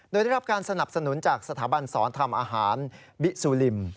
โดยได้รับการสนับสนุนจากสถาบันสอนทำอาหารบิซูลิม